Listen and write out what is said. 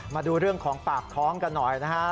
มาดูเรื่องของปากท้องกันหน่อยนะฮะ